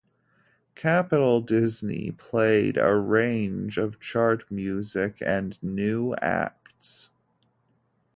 Capital Disney played a range of chart music and new acts.